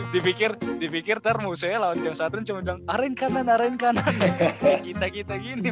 dipikir pikir termusei laut yang satrin cuman jangan arin karena ngerin kanan kita kita gini